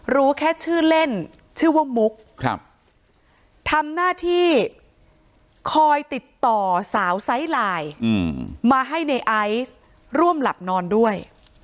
รู้แค่ชื่อเล่นชื่อว่ามุกทำหน้าที่คอยติดต่อสาวไซส์ไลน์มาให้ในไอซ์ร่วมหลับนอนด้วย